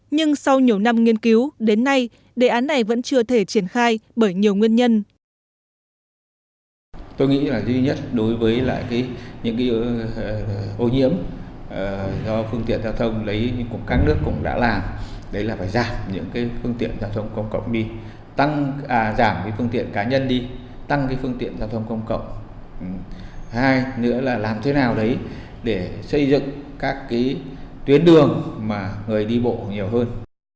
nhưng sau nhiều năm nghiên cứu đến nay đề án này vẫn chưa thể triển khai bởi nhiều nguyên nhân